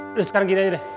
udah sekarang gini aja deh